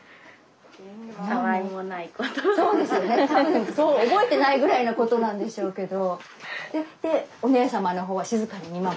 そうですよね多分そう覚えてないぐらいのことなんでしょうけど。